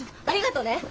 ありがとね。